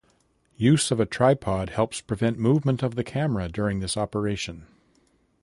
Use of a tripod helps prevent movement of the camera during this operation.